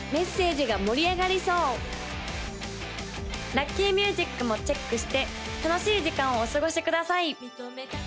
・ラッキーミュージックもチェックして楽しい時間をお過ごしください